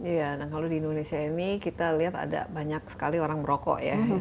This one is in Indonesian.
iya nah kalau di indonesia ini kita lihat ada banyak sekali orang merokok ya